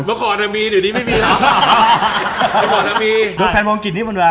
เมื่อก่อนมีเลยหนึ่งทีไม่มีเรา